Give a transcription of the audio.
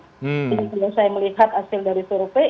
jadi kalau saya melihat hasil dari survei